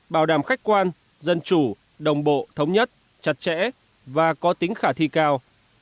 bảo đảm khách quan dân chủ đồng bộ thống nhất chặt chẽ và có tính khả thi cao